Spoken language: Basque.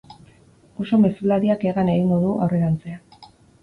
Uso mezulariak hegan egingo du aurrerantzean.